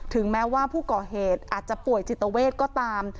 แม้ว่าผู้ก่อเหตุอาจจะป่วยจิตเวทก็ตาม